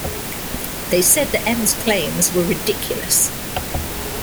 They said that "M"'s claims were "ridiculous.